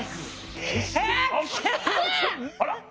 あら？